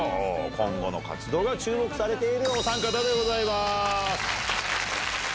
今後の活動が注目されているお三方でございます。